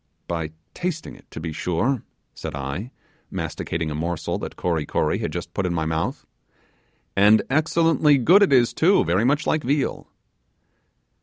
'By tasting it, to be sure,' said I, masticating a morsel that Kory Kory had just put in my mouth, 'and excellently good it is, too, very much like veal.